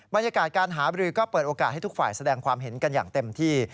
บรรยากาศการหาบรือก็เปิดโอกาสให้ทุกฝ่ายแสดงความเห็นกันอย่างเต็มที่